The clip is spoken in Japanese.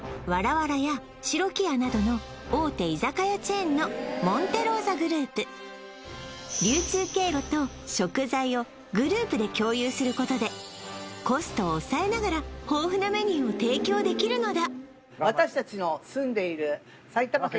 笑や白木屋などの大手居酒屋チェーンのモンテローザグループ流通経路と食材をグループで共有することでコストを抑えながら豊富なメニューを提供できるのだ